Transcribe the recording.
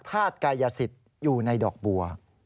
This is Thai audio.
ธาตุกายยสิตอยู่ในดอกบัว